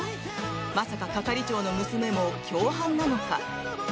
まさか係長の娘も共犯なのか？